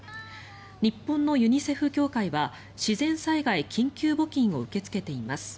日本のユニセフ協会は自然災害緊急募金を受け付けています。